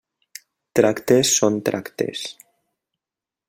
Tractes són tractes.